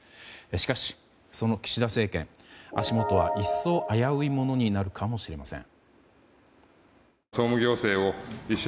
しかし、その岸田政権足元は一層危ういものになるかもしれません。